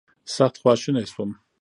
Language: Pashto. سخت خواشینی شوم.